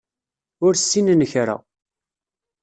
Ur ssinen kra.